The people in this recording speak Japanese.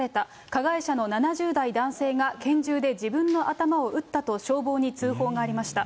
加害者の７０代男性が拳銃で自分の頭を撃ったと消防に通報がありました。